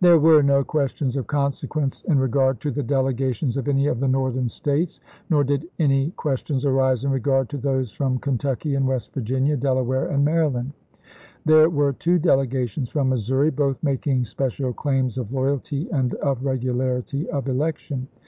There were no questions of consequence in re gard to the delegations of any of the Northern States, nor did any questions arise in regard to those from Kentucky and West Virginia, Delaware June 8,i864. and Maryland. There were two delegations from Missouri, both making special claims of loyalty and of regularity of election.